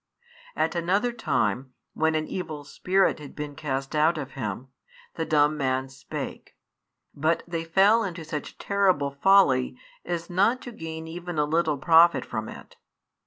At another time, when an evil spirit had been cast out of him, the dumb man spake; but they fell into such terrible folly as not to gain even a little profit from it.